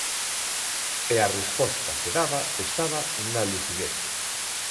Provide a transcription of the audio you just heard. E a resposta que daba estaba na lucidez.